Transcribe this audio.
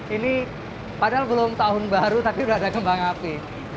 ini padahal belum tahun baru tapi sudah ada kembang api